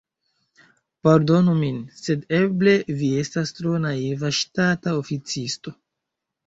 Pardonu min, sed eble vi estas tro naiva ŝtata oficisto.